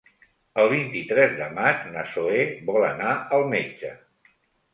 El vint-i-tres de maig na Zoè vol anar al metge.